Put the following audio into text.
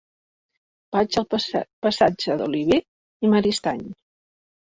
Vaig al passatge d'Olivé i Maristany.